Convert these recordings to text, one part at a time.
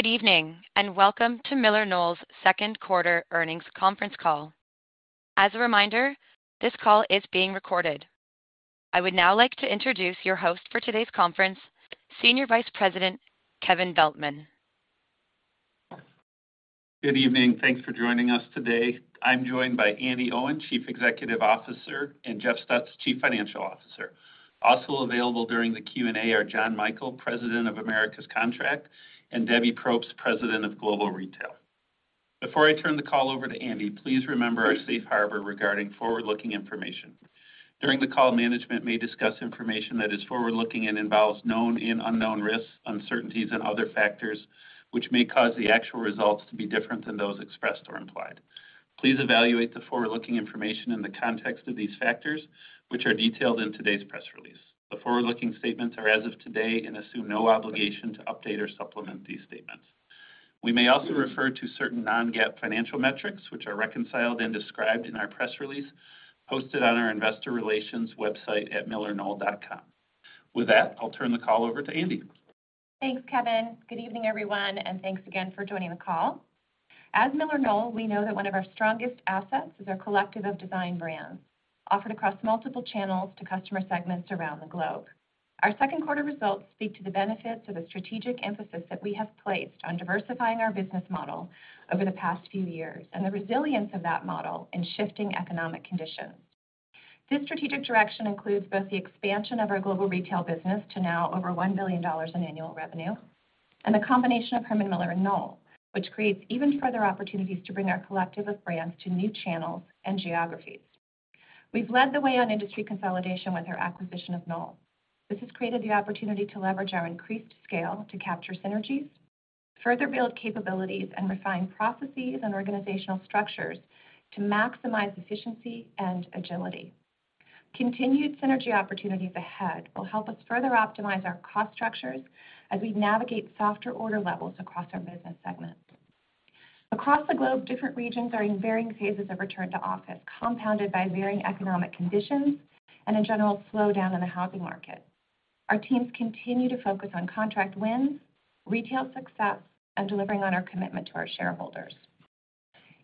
Good evening, and welcome to MillerKnoll's Q2 earnings conference call. As a reminder, this call is being recorded. I would now like to introduce your host for today's conference, Senior Vice President, Kevin Veltman. Good evening. Thanks for joining us today. I'm joined by Andi Owen, Chief Executive Officer, and Jeff Stutz, Chief Financial Officer. Also available during the Q&A are John Michael, President of Americas Contract, and Debbie Propst, President of Global Retail. Before I turn the call over to Andi, please remember our safe harbor regarding forward-looking information. During the call, management may discuss information that is forward-looking and involves known and unknown risks, uncertainties and other factors which may cause the actual results to be different than those expressed or implied. Please evaluate the forward-looking information in the context of these factors, which are detailed in today's press release. The forward-looking statements are as of today and assume no obligation to update or supplement these statements. We may also refer to certain non-GAAP financial metrics, which are reconciled and described in our press release posted on our investor relations website at millerknoll.com. With that, I'll turn the call over to Andi. Thanks, Kevin. Good evening, everyone. And thanks again for joining the call. As MillerKnoll, we know that one of our strongest assets is our collective of design brands offered across multiple channels to customer segments around the globe. Our Q2 results speak to the benefits of the strategic emphasis that we have placed on diversifying our business model over the past few years and the resilience of that model in shifting economic conditions. This strategic direction includes both the expansion of our global retail business to now over $1 billion in annual revenue and the combination of Herman Miller and Knoll, which creates even further opportunities to bring our collective of brands to new channels and geographies. We've led the way on industry consolidation with our acquisition of Knoll. This has created the opportunity to leverage our increased scale to capture synergies, further build capabilities, and refine processes and organizational structures to maximize efficiency and agility. Continued synergy opportunities ahead will help us further optimize our cost structures as we navigate softer order levels across our business segments. Across the globe, different regions are in varying phases of return to office, compounded by varying economic conditions and a general slowdown in the housing market. Our teams continue to focus on contract wins, retail success, and delivering on our commitment to our shareholders.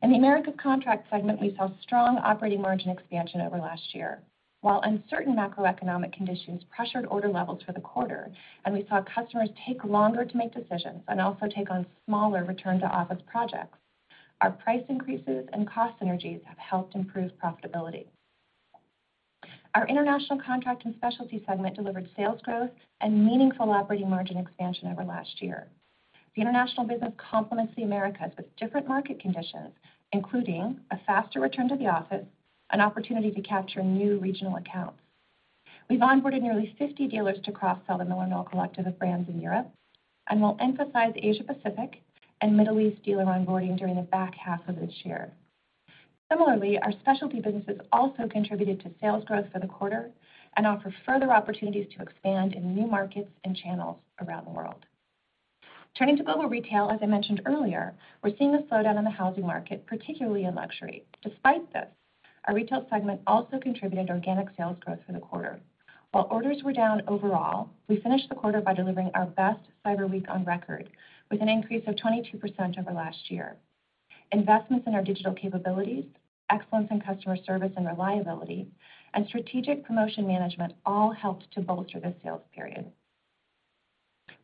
In the Americas Contract segment, we saw strong operating margin expansion over last year. While uncertain macroeconomic conditions pressured order levels for the quarter, and we saw customers take longer to make decisions and also take on smaller return-to-office projects, our price increases and cost synergies have helped improve profitability. Our International Contract and Specialty segment delivered sales growth and meaningful operating margin expansion over last year. The international business complements the Americas with different market conditions, including a faster return to the office and opportunity to capture new regional accounts. We've onboarded nearly 50 dealers to cross-sell the MillerKnoll collective of brands in Europe and will emphasize Asia-Pacific and Middle East dealer onboarding during the back half of this year. Similarly, our specialty businesses also contributed to sales growth for the quarter and offer further opportunities to expand in new markets and channels around the world. Turning to Global Retail, as I mentioned earlier, we're seeing a slowdown in the housing market, particularly in luxury. Despite this, our Retail segment also contributed organic sales growth for the quarter. While orders were down overall, we finished the quarter by delivering our best Cyber Week on record with an increase of 22% over last year. Investments in our digital capabilities, excellence in customer service and reliability, and strategic promotion management all helped to bolster the sales period.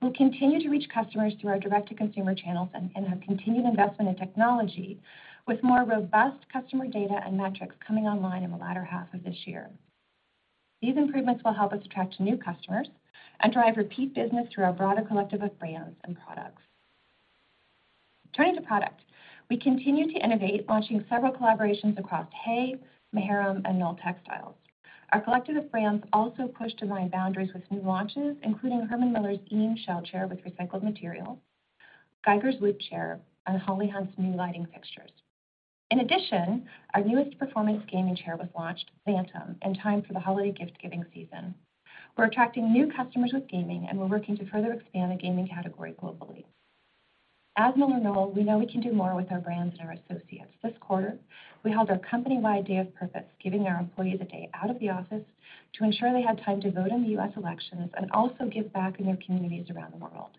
We'll continue to reach customers through our direct-to-consumer channels and have continued investment in technology with more robust customer data and metrics coming online in the latter half of this year. These improvements will help us attract new customers and drive repeat business through our broader collective of brands and products. Turning to product, we continue to innovate, launching several collaborations across HAY, Maharam, and Knoll Textiles. Our collective of brands also pushed design boundaries with new launches, including Herman Miller's Eames Shell Chair with recycled materials, Geiger's Loop Chair, and Holly Hunt's new lighting fixtures. In addition, our newest performance gaming chair was launched, Phantom, in time for the holiday gift-giving season. We're attracting new customers with gaming, and we're working to further expand the gaming category globally. As MillerKnoll, we know we can do more with our brands and our associates. This quarter, we held our company-wide Day of Purpose, giving our employees a day out of the office to ensure they had time to vote in the U.S. elections and also give back in their communities around the world.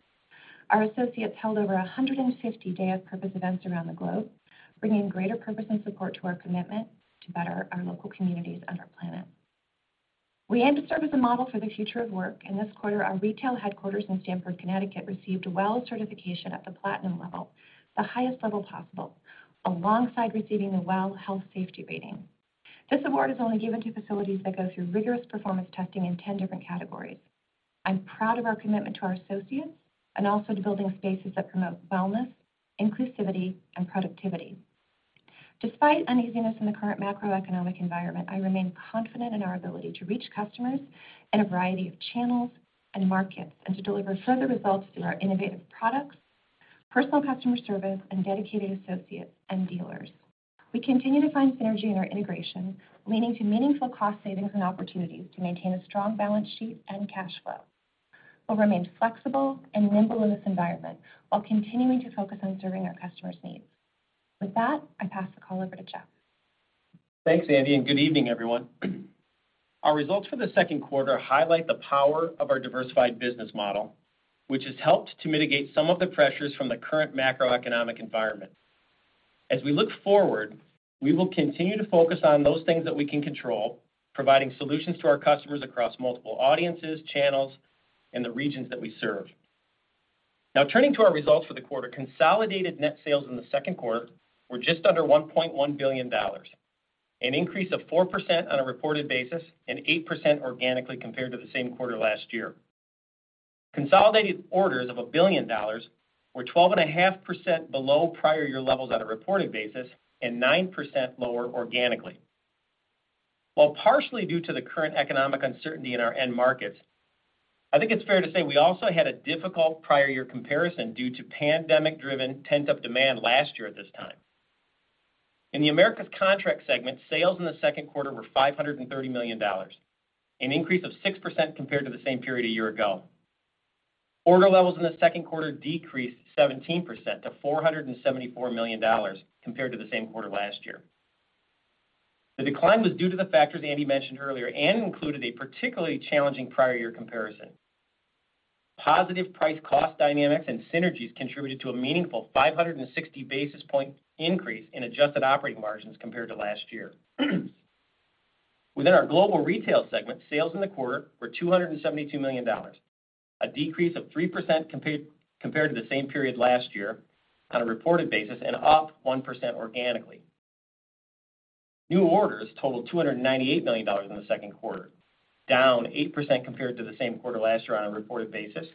Our associates held over 150 Day of Purpose events around the globe, bringing greater purpose and support to our commitment to better our local communities and our planet. We aim to serve as a model for the future of work, and this quarter, our retail headquarters in Stamford, Connecticut, received a WELL certification at the platinum level, the highest level possible, alongside receiving a WELL Health-Safety Rating. This award is only given to facilities that go through rigorous performance testing in 10 different categories. I'm proud of our commitment to our associates and also to building spaces that promote wellness, inclusivity, and productivity. Despite uneasiness in the current macroeconomic environment, I remain confident in our ability to reach customers in a variety of channels and markets and to deliver further results through our innovative products, personal customer service, and dedicated associates and dealers. We continue to find synergy in our integration, leading to meaningful cost savings and opportunities to maintain a strong balance sheet and cash flow. We'll remain flexible and nimble in this environment while continuing to focus on serving our customers' needs. With that, I pass the call over to Jeff. Thanks, Andi, and good evening, everyone. Our results for the Q2 highlight the power of our diversified business model, which has helped to mitigate some of the pressures from the current macroeconomic environment. As we look forward, we will continue to focus on those things that we can control, providing solutions to our customers across multiple audiences, channels, and the regions that we serve. Now turning to our results for the quarter, consolidated net sales in the Q2 were just under $1.1 billion, an increase of 4% on a reported basis and 8% organically compared to the same quarter last year. Consolidated orders of $1 billion were 12.5% below prior year levels on a reported basis and 9% lower organically. While partially due to the current economic uncertainty in our end markets, I think it's fair to say we also had a difficult prior year comparison due to pandemic-driven pent-up demand last year at this time. In the Americas Contract segment, sales in the Q2 were $530 million, an increase of 6% compared to the same period a year ago. Order levels in the Q2 decreased 17% to $474 million compared to the same quarter last year. The decline was due to the factors Andi mentioned earlier and included a particularly challenging prior year comparison. Positive price cost dynamics and synergies contributed to a meaningful 560 basis point increase in adjusted operating margins compared to last year. Within our Global Retail segment, sales in the quarter were $272 million, a decrease of 3% compared to the same period last year on a reported basis, and up 1% organically. New orders totaled $298 million in the Q2, down 8% compared to the same quarter last year on a reported basis,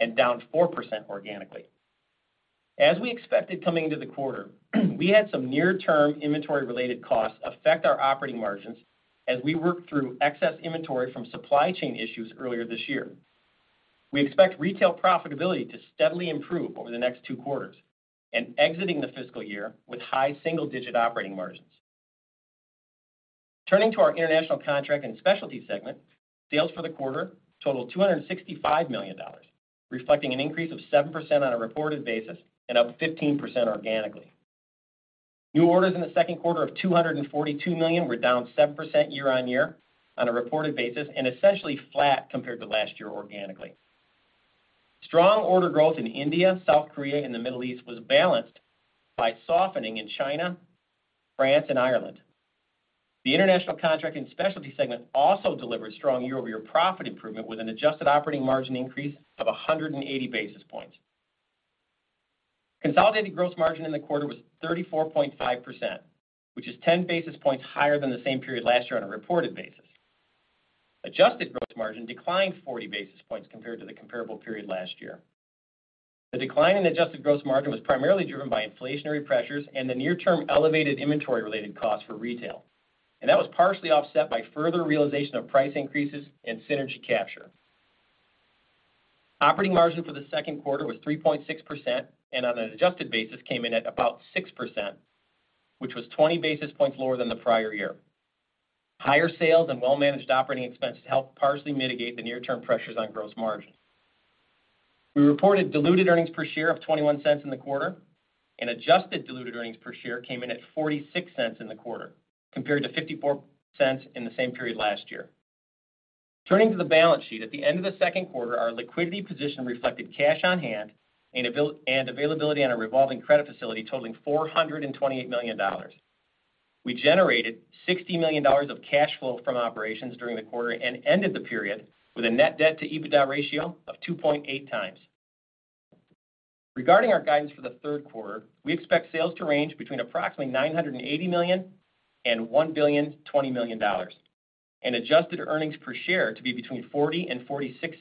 and down 4% organically. As we expected coming into the quarter, we had some near term inventory-related costs affect our operating margins as we worked through excess inventory from supply chain issues earlier this year. We expect retail profitability to steadily improve over the next two quarters and exiting the fiscal year with high single-digit operating margins. Turning to our International Contract and Specialty segment, sales for the quarter totaled $265 million, reflecting an increase of 7% on a reported basis and up 15% organically. New orders in the Q2 of $242 million were down 7% year-over-year on a reported basis and essentially flat compared to last year organically. Strong order growth in India, South Korea, and the Middle East was balanced by softening in China, France, and Ireland. The International Contract and Specialty segment also delivered strong year-over-year profit improvement with an adjusted operating margin increase of 180 basis points. Consolidated gross margin in the quarter was 34.5%, which is 10 basis points higher than the same period last year on a reported basis. Adjusted gross margin declined 40 basis points compared to the comparable period last year. The decline in adjusted gross margin was primarily driven by inflationary pressures and the near-term elevated inventory-related costs for retail. And that was partially offset by further realization of price increases and synergy capture. Operating margin for the Q2 was 3.6%. On an adjusted basis, came in at about 6%, which was 20 basis points lower than the prior year. Higher sales and well-managed operating expenses helped partially mitigate the near-term pressures on gross margin. We reported diluted earnings per share of $0.21 in the quarter. And adjusted diluted earnings per share came in at $0.46 in the quarter, compared to $0.54 in the same period last year. Turning to the balance sheet, at the end of the Q2, our liquidity position reflected cash on hand and availability on a revolving credit facility totaling $428 million. We generated $60 million of cash flow from operations during the quarter and ended the period with a net debt to EBITDA ratio of 2.8x. Regarding our guidance for the Q3, we expect sales to range between approximately $980 million and $1,020 million and adjusted earnings per share to be between $0.40 and $0.46.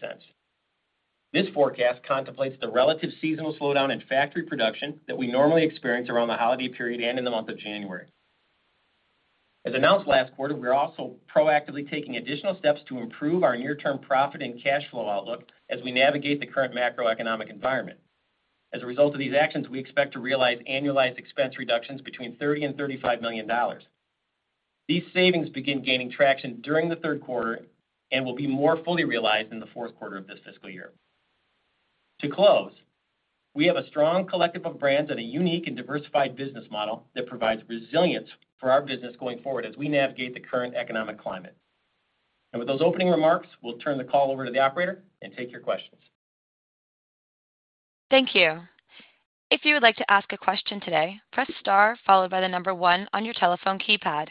This forecast contemplates the relative seasonal slowdown in factory production that we normally experience around the holiday period and in the month of January. As announced last quarter, we are also proactively taking additional steps to improve our near-term profit and cash flow outlook as we navigate the current macroeconomic environment. As a result of these actions, we expect to realize annualized expense reductions between $30 million and $35 million. These savings begin gaining traction during the Q3 and will be more fully realized in the Q4 of this fiscal year. To close, we have a strong collective of brands and a unique and diversified business model that provides resilience for our business going forward as we navigate the current economic climate. With those opening remarks, we'll turn the call over to the operator and take your questions. Thank you. If you would like to ask a question today, press star followed by the number one on your telephone keypad.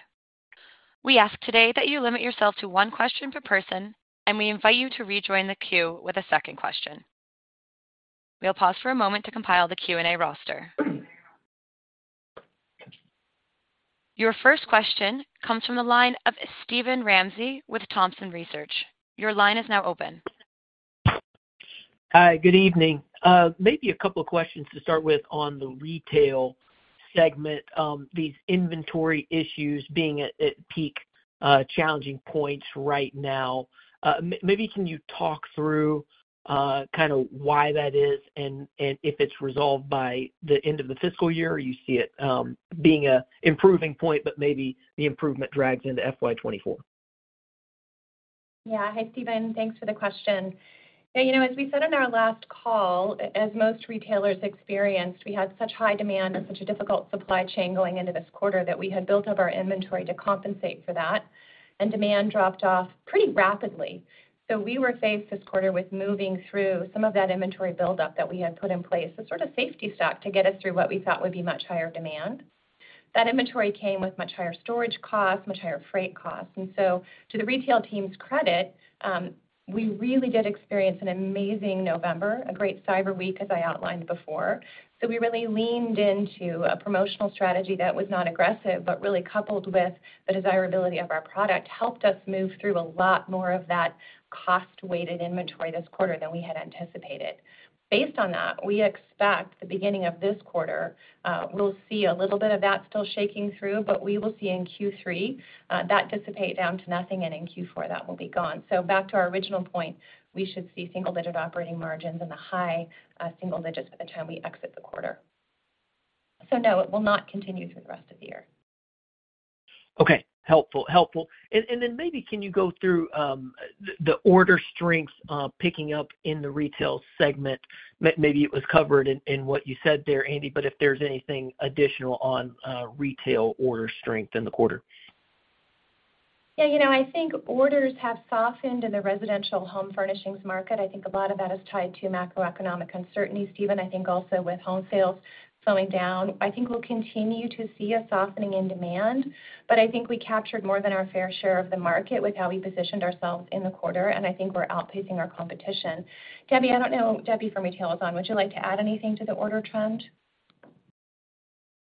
We ask today that you limit yourself to one question per person. We invite you to rejoin the queue with a second question. We'll pause for a moment to compile the Q&A roster. Your first question comes from the line of Steven Ramsey with Thompson Research. Your line is now open. Hi. Good evening. maybe a couple of questions to start with on the retail segment. These inventory issues being at peak challenging points right now. Maybe can you talk through kinda why that is and if it's resolved by the end of the fiscal year or you see it being a improving point, but maybe the improvement drags into FY 2024? Hi, Steven. Thanks for the question. You know, as we said on our last call, as most retailers experienced, we had such high demand and such a difficult supply chain going into this quarter that we had built up our inventory to compensate for that, and demand dropped off pretty rapidly. We were faced this quarter with moving through some of that inventory buildup that we had put in place as sort of safety stock to get us through what we thought would be much higher demand. That inventory came with much higher storage costs, much higher freight costs. And so, to the retail team's credit, we really did experience an amazing November, a great Cyber Week as I outlined before. So we really leaned into a promotional strategy that was not aggressive, but really coupled with the desirability of our product, helped us move through a lot more of that cost-weighted inventory this quarter than we had anticipated. Based on that, we expect the beginning of this quarter, we'll see a little bit of that still shaking through, but we will see in Q3 that dissipate down to nothing and in Q4 that will be gone. So back to our original point, we should see single-digit operating margins in the high, single digits by the time we exit the quarter. So no, it will not continue through the rest of the year. Okay. Helpful. Helpful. And then maybe can you go through the order strengths picking up in the retail segment. Maybe it was covered in what you said there, Andi, but if there's anything additional on retail order strength in the quarter. Yeah. You know, I think orders have softened in the residential home furnishings market. I think a lot of that is tied to macroeconomic uncertainty, Steven. I think also with home sales slowing down, I think we'll continue to see a softening in demand. But I think we captured more than our fair share of the market with how we positioned ourselves in the quarter, and I think we're outpacing our competition. Debbie, I don't know. Debbie from Retail is on. Would you like to add anything to the order trend?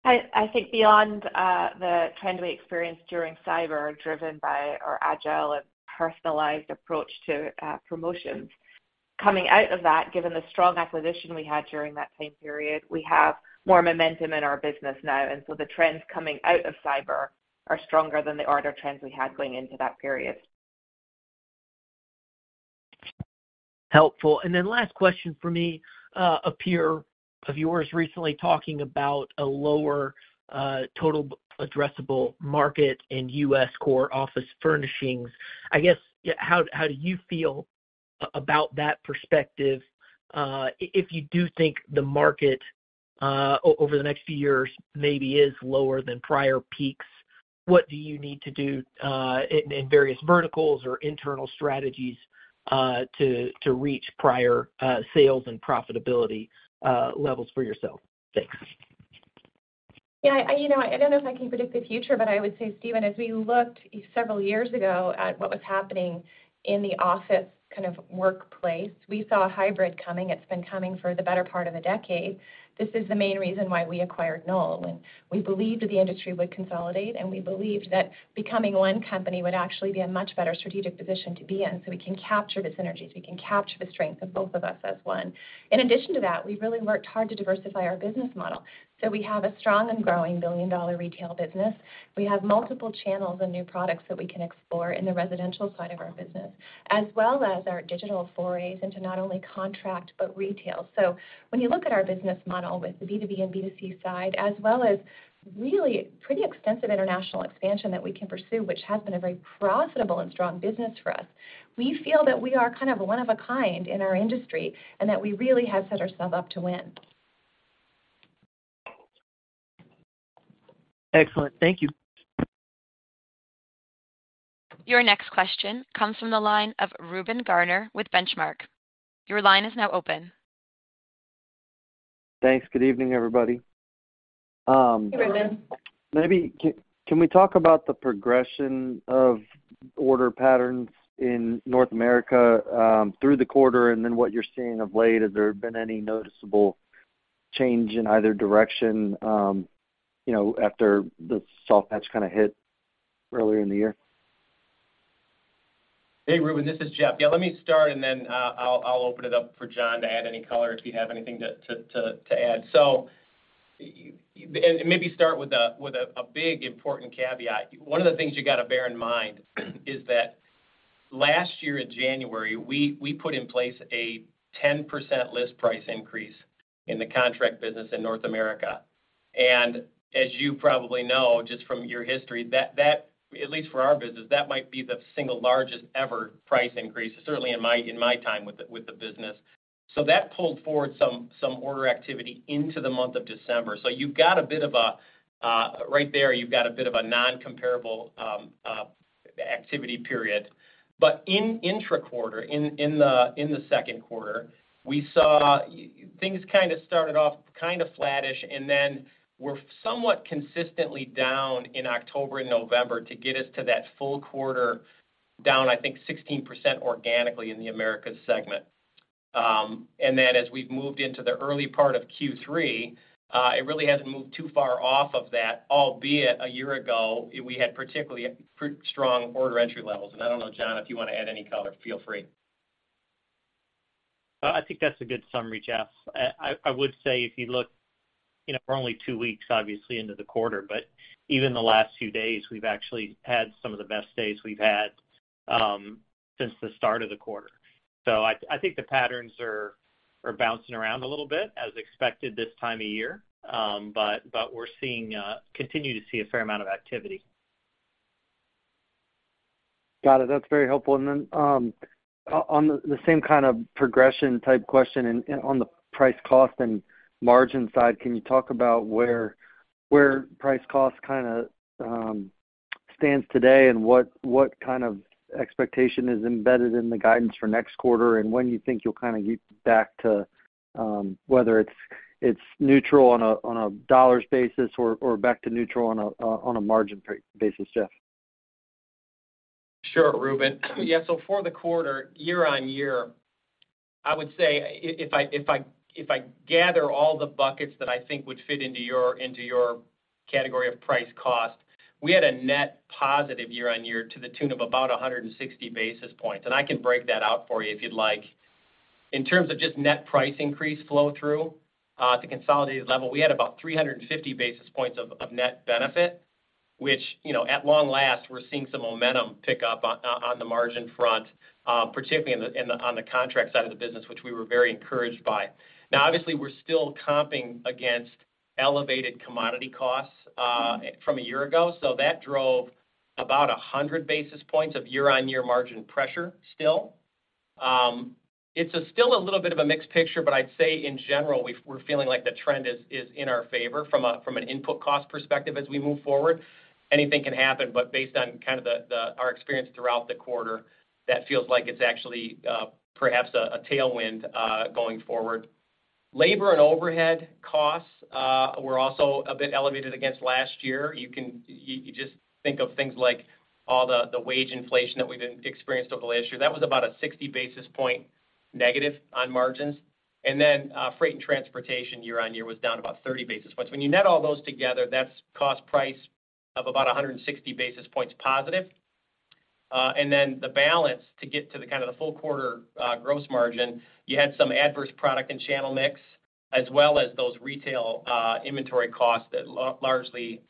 I, I think beyond the trend we experienced during Cyber, driven by our agile and personalized approach to promotions. Coming out of that, given the strong acquisition we had during that same period, we have more momentum in our business now. So the trends coming out of Cyber are stronger than the order trends we had going into that period. Helpful. And then last question for me. A peer of yours recently talking about a lower total addressable market in U.S. core office furnishings. I guess, yeah, how do you feel about that perspective? If you do think the market over the next few years maybe is lower than prior peaks, what do you need to do in various verticals or internal strategies to reach prior sales and profitability levels for yourself? Thanks. Yeah, I, you know, I don't know if I can predict the future, but I would say, Steven, as we looked several years ago at what was happening in the office kind of workplace, we saw a hybrid coming. It's been coming for the better part of a decade. This is the main reason why we acquired Knoll. We believed that the industry would consolidate, and we believed that becoming one company would actually be a much better strategic position to be in, so we can capture the synergies, we can capture the strength of both of us as one. In addition to that, we've really worked hard to diversify our business model. We have a strong and growing billion-dollar retail business. We have multiple channels and new products that we can explore in the residential side of our business. As well as our digital forays into not only contract but retail. So, when you look at our business model with the B2B and B2C side, as well as really pretty extensive international expansion that we can pursue, which has been a very profitable and strong business for us, we feel that we are kind of one of a kind in our industry, and that we really have set ourselves up to win. Excellent. Thank you. Your next question comes from the line of Reuben Garner with Benchmark. Your line is now open. Thanks. Good evening, everybody. Hey, Reuben. Maybe can we talk about the progression of order patterns in North America, through the quarter and then what you're seeing of late? Has there been any noticeable change in either direction, you know, after the soft patch kinda hit earlier in the year? Hey, Reuben, this is Jeff. Yeah, let me start and then I'll, I'll, I'll open it up for John to add any color if you have anything to add. So, maybe start with a big important caveat. One of the things you gotta bear in mind is that last year in January, we put in place a 10% list price increase in the contract business in North America. And as you probably know, just from your history, that... at least for our business, that might be the single largest ever price increase, certainly in my time with the business. So that pulled forward some order activity into the month of December. So you've got a bit of a. Right there, you've got a bit of a non-comparable activity period. But in intra-quarter, in the Q2, we saw things kinda started off kinda flattish and then were somewhat consistently down in October and November to get us to that full quarter down, I think, 16% organically in the Americas segment. And then as we've moved into the early part of Q3, it really hasn't moved too far off of that, albeit a year ago, we had particularly strong order entry levels. I don't know, John, if you wanna add any color, feel free. I think that's a good summary, Jeff. I would say if you look, you know, we're only two weeks obviously into the quarter, but even the last few days, we've actually had some of the best days we've had, since the start of the quarter. So I think the patterns are... Bouncing around a little bit as expected this time of year. But we're seeing, continue to see a fair amount of activity. Got it. That's very helpful. And then on the same kind of progression type question and on the price cost and margin side, can you talk about where price cost kinda stands today and what kind of expectation is embedded in the guidance for next quarter, and when you think you'll kinda get back to whether it's neutral on a dollars basis or back to neutral on a margin basis, Jeff? Sure, Reuben. For the quarter, year-over-year, I would say if I gather all the buckets that I think would fit into your category of price cost, we had a net positive year-over-year to the tune of about 160 basis points, and I can break that out for you if you'd like. In terms of just net price increase flow through to consolidated level, we had about 350 basis points of net benefit, which, you know, at long last, we're seeing some momentum pick up on the margin front, particularly on the contract side of the business, which we were very encouraged by. Now obviously, we're still comping against elevated commodity costs from a year ago, so that drove about 100 basis points of year-over-year margin pressure still. It's still a little bit of a mixed picture, but I'd say in general, we're feeling like the trend is in our favor from an input cost perspective as we move forward. Anything can happen, but based on kind of our experience throughout the quarter, that feels like it's actually perhaps a tailwind going forward. Labor and overhead costs were also a bit elevated against last year. You think, you just think of things like all the wage inflation that we've been experienced over the last year. That was about a 60 basis point negative on margins. And then freight and transportation year-on-year was down about 30 basis points. When you net all those together, that's cost price of about 160 basis points positive. And then the balance to get to the kind of the full quarter gross margin, you had some adverse product and channel mix as well as those retail inventory costs that largely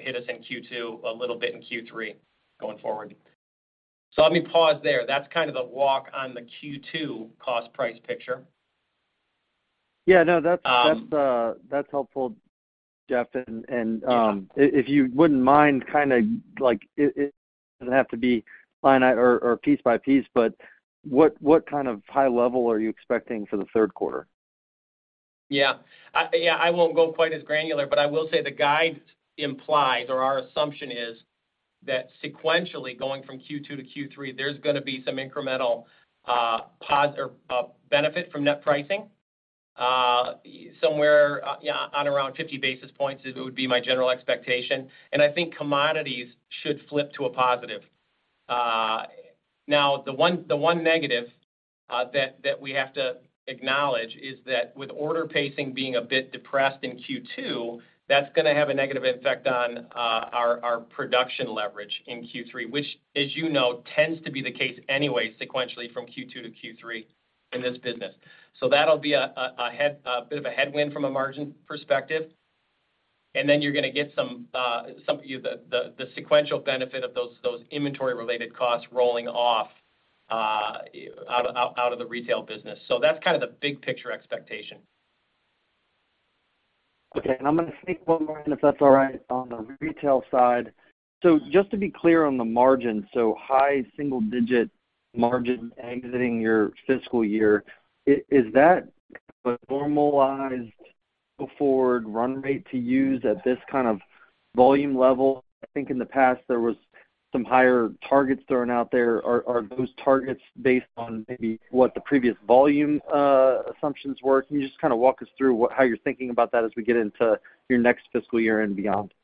hit us in Q2, a little bit in Q3 going forward. So let me pause there. That's kind of the walk on the Q2 cost price picture. Yeah. No, that's-. Um. That's helpful, Jeff. And if you wouldn't mind kinda like it doesn't have to be line item or piece by piece, but what kind of high level are you expecting for the Q3? Yeah. I, yeah, I won't go quite as granular, but I will say the guide implies or our assumption is that sequentially going from Q2 to Q3, there's gonna be some incremental benefit from net pricing somewhere on around 50 basis points is what would be my general expectation. And I think commodities should flip to a positive. Now the one negative that we have to acknowledge is that with order pacing being a bit depressed in Q2, that's gonna have a negative effect on our production leverage in Q3, which as you know, tends to be the case anyway sequentially from Q2 to Q3 in this business. So that'll be a bit of a headwind from a margin perspective. And then you're gonna get the sequential benefit of those inventory related costs rolling off out of the retail business. So that's kind of the big picture expectation. Okay. I'm going to sneak one more in, if that's all right on the retail side. So just to be clear on the margin, so high single digit margin exiting your fiscal year, is that a normalized go forward run rate to use at this kind of volume level? I think in the past there was some higher targets thrown out there. Are those targets based on maybe what the previous volume assumptions were? Can you just kind of walk us through how you're thinking about that as we get into your next fiscal year and beyond?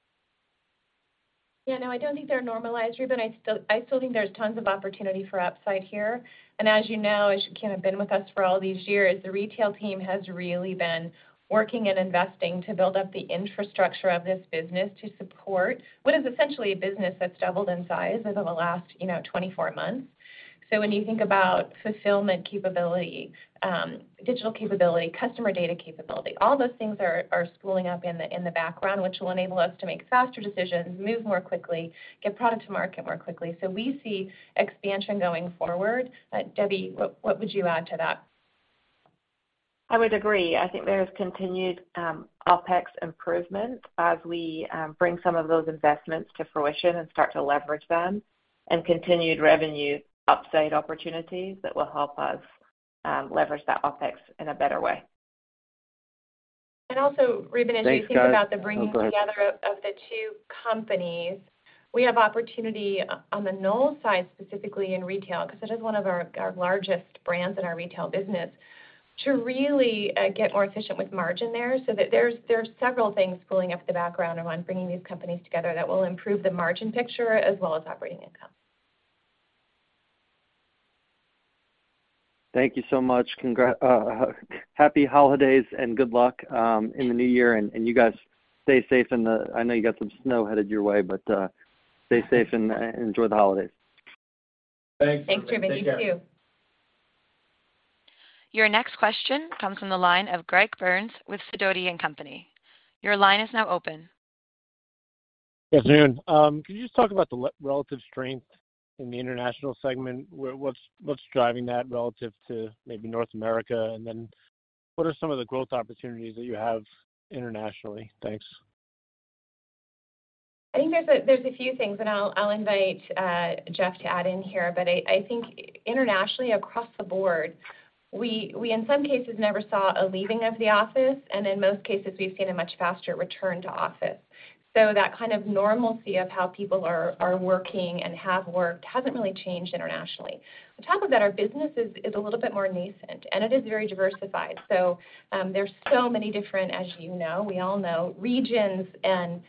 Yeah, no, I don't think they're normalized, Reuben. I still think there's tons of opportunity for upside here. And as you know, as you kinda been with us for all these years, the retail team has really been working and investing to build up the infrastructure of this business to support what is essentially a business that's doubled in size over the last, you know, 24 months. So when you think about fulfillment capability, digital capability, customer data capability, all those things are spooling up in the, in the background, which will enable us to make faster decisions, move more quickly, get product to market more quickly. So we see expansion going forward. Debbie, what would you add to that? I would agree. I think there is continued, OpEx improvement as we bring some of those investments to fruition and start to leverage them and continued revenue upside opportunities that will help us leverage that OpEx in a better way. And also Reuben... Thanks guys.... As you think about the bringing together of the two companies, we have opportunity on the Knoll side, specifically in retail, 'cause it is one of our largest brands in our retail business to really get more efficient with margin there so that there are several things spooling up in the background around bringing these companies together that will improve the margin picture as well as operating income. Thank you so much. Happy holidays and good luck in the new year. You guys stay safe I know you got some snow headed your way, but, stay safe and enjoy the holidays. Thanks, Reuben. Take care. Thanks, Reuben. You too. Your next question comes from the line of Gregory Burns with Sidoti & Company. Your line is now open. Yes, noon. Could you just talk about the relative strength in the international segment? What's, what's driving that relative to maybe North America? And then what are some of the growth opportunities that you have internationally? Thanks. I think there's a few things, and I'll invite Jeff to add in here. But I think internationally across the board, we in some cases never saw a leaving of the office, and in most cases, we've seen a much faster return to office. So that kind of normalcy of how people are working and have worked hasn't really changed internationally. On top of that, our business is a little bit more nascent, and it is very diversified. So there's so many different, as you know, we all know, regions and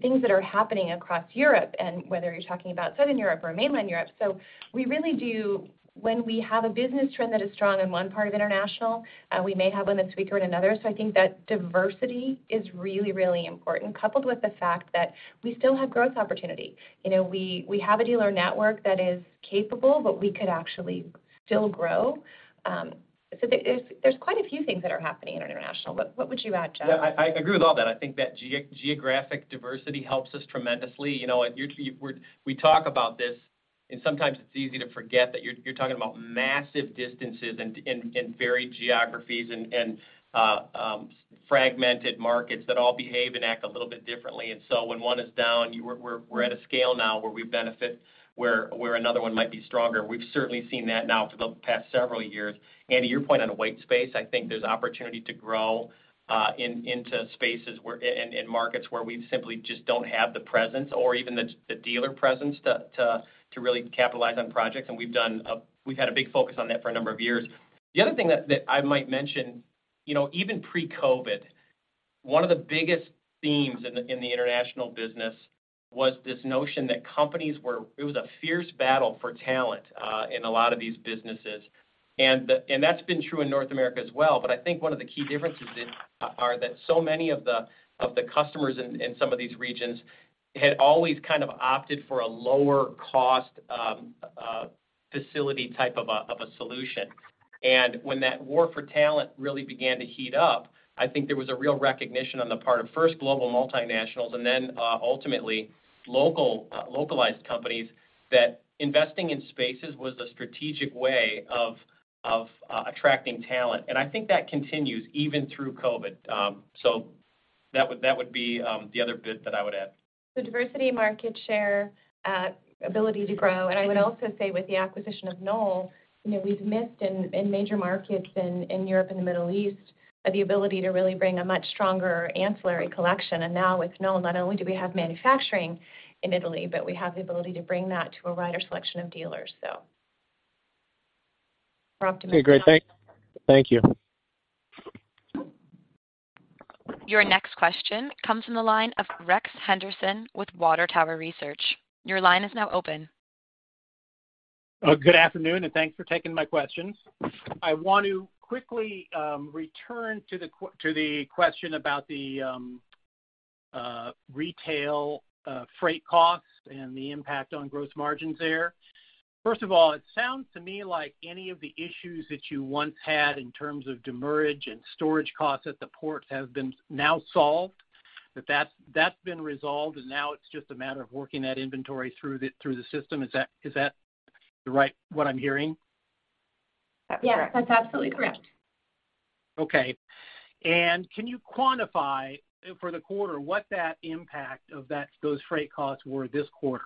things that are happening across Europe and whether you're talking about Southern Europe or Mainland Europe. So we really do. When we have a business trend that is strong in one part of international, we may have one that's weaker in another. So I think that diversity is really, really important, coupled with the fact that we still have growth opportunity. You know, we have a dealer network that is capable, but we could actually still grow. If there's quite a few things that are happening in international. What would you add, Jeff? Yeah, I agree with all that. I think that geographic diversity helps us tremendously. You know, we talk about this, and sometimes it's easy to forget that you're talking about massive distances and varied geographies and fragmented markets that all behave and act a little bit differently. So when one is down, we're at a scale now where we benefit where another one might be stronger. We've certainly seen that now for the past several years. Andi, your point on the white space, I think there's opportunity to grow into spaces in markets where we simply just don't have the presence or even the dealer presence to really capitalize on projects. And we've had a big focus on that for a number of years. The other thing that I might mention, you know, even pre-COVID, one of the biggest themes in the, in the international business was this notion that It was a fierce battle for talent, in a lot of these businesses. And that's been true in North America as well. I think one of the key differences are that so many of the, of the customers in some of these regions had always kind of opted for a lower cost, facility type of a, of a solution. And when that war for talent really began to heat up, I think there was a real recognition on the part of first global multinationals and then, ultimately local, localized companies that investing in spaces was a strategic way of attracting talent. And I think that continues even through COVID. So that would be the other bit that I would add. Diversity, market share, ability to grow. And I would also say with the acquisition of Knoll, you know, we've missed in major markets in Europe and the Middle East, the ability to really bring a much stronger ancillary collection. And now with Knoll, not only do we have manufacturing in Italy, but we have the ability to bring that to a wider selection of dealers. So, we're optimistic. Okay, great. Thank you. Your next question comes from the line of Rex Henderson with Water Tower Research. Your line is now open. Oh, good afternoon, and thanks for taking my questions. I want to quickly return to the, to the question about the retail freight costs and the impact on gross margins there. First of all, it sounds to me like any of the issues that you once had in terms of demurrage and storage costs at the port have been now solved, that's been resolved, and now it's just a matter of working that inventory through the system. Is that, is that the right what I'm hearing? That's correct. Yeah, that's absolutely correct. Okay. And can you quantify for the quarter what that impact of those freight costs were this quarter?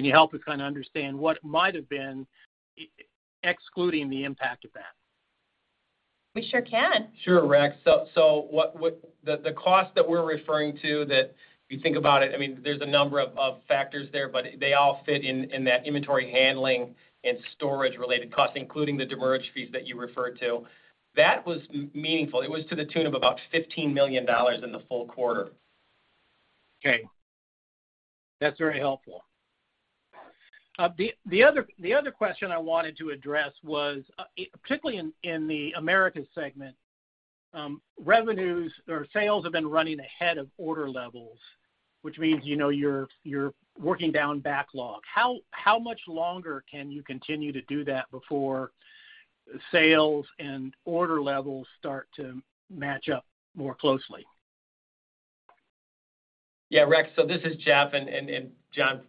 Can you help us kinda understand what might have been excluding the impact of that? We sure can. Sure, Rex. So, so what the cost that we're referring to that if you think about it, I mean, there's a number of factors there, but they all fit in that inventory handling and storage related costs, including the demurrage fees that you referred to. That was meaningful. It was to the tune of about $15 million in the full quarter. Okay. That's very helpful. The other, the other question I wanted to address was particularly in the Americas segment, revenues or sales have been running ahead of order levels, which means, you know, you're working down backlog. How, how much longer can you continue to do that before sales and order levels start to match up more closely? Yeah, Rex, this is Jeff. And John,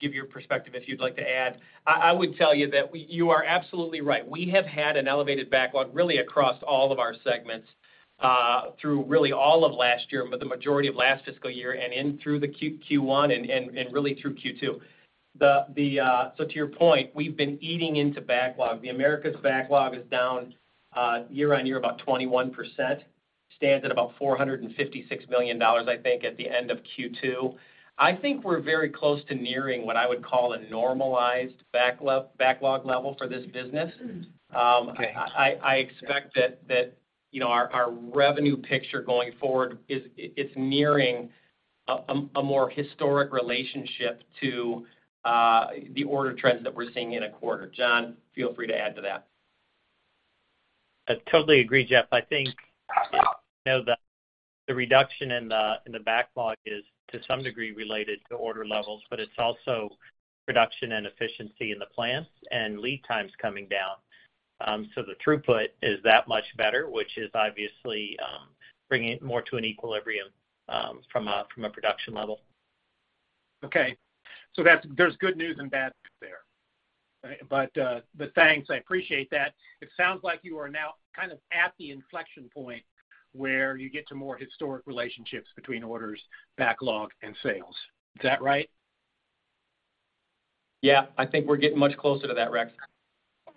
give your perspective if you'd like to add. I would tell you that you are absolutely right. We have had an elevated backlog really across all of our segments, through really all of last year, but the majority of last fiscal year and in through the Q1 and really through Q2. To your point, we've been eating into backlog. The Americas backlog is down year on year about 21%. Stands at about $456 million, I think, at the end of Q2. I think we're very close to nearing what I would call a normalized backlog level for this business. Okay. I, I, I expect that, you know, our revenue picture going forward it's nearing a more historic relationship to the order trends that we're seeing in a quarter. John, feel free to add to that. I totally agree, Jeff. I think, you know, the reduction in the backlog is to some degree related to order levels, but it's also production and efficiency in the plants and lead times coming down. The throughput is that much better, which is obviously bringing it more to an equilibrium from a production level. Okay. So that's a good news and bad news there. Thanks, I appreciate that. It sounds like you are now kind of at the inflection point where you get to more historic relationships between orders, backlog, and sales. Is that right? Yeah. I think we're getting much closer to that, Rex.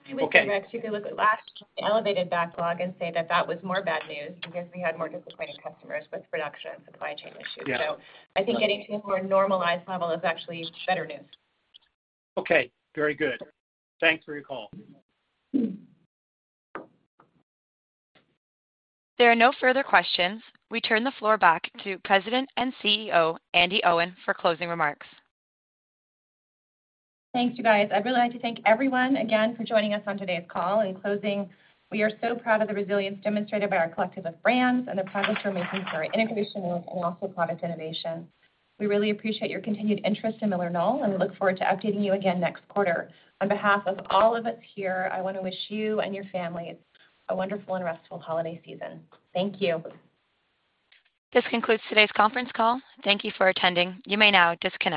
Okay. With you, Rex, you could look at last year's elevated backlog and say that that was more bad news because we had more disappointed customers with production for the supply chain issue. Yeah. I think getting to a more normalized level is actually better news. Okay. Very good. Thanks for your call. There are no further questions. We turn the floor back to President and CEO, Andi Owen, for closing remarks. Thanks, you guys. I'd really like to thank everyone again for joining us on today's call. In closing, we are so proud of the resilience demonstrated by our collective of brands and the progress we're making through our integration rules and also product innovation. We really appreciate your continued interest in MillerKnoll, and we look forward to updating you again next quarter. On behalf of all of us here, I wanna wish you and your families a wonderful and restful holiday season. Thank you. This concludes today's conference call. Thank you for attending. You may now disconnect.